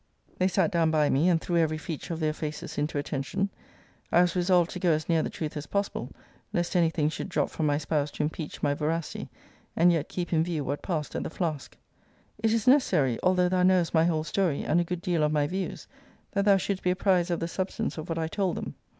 They sat down by me and threw every feature of their faces into attention. I was resolved to go as near the truth as possible, lest any thing should drop from my spouse to impeach my veracity; and yet keep in view what passed at the Flask. It is necessary, although thou knowest my whole story, and a good deal of my views, that thou shouldst be apprized of the substance of what I told them.